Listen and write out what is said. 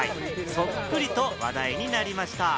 そっくりと話題になりました。